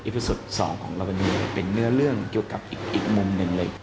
อิพิสุทธิ์๒ของลาวานูนเป็นเนื้อเรื่องเกี่ยวกับอีกมุมหนึ่งเลย